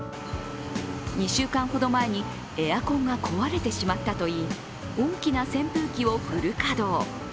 ２週間ほど前にエアコンが壊れてしまったといい大きな扇風機をフル稼働。